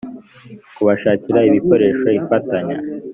kubashakira ibikoresho ifatanya